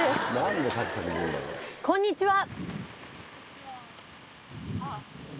こんにちは。